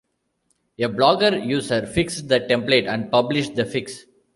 A blogger user fixed the template and published the fix.